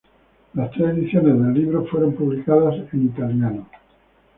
Las tres ediciones del libro fueron publicadas en italiano.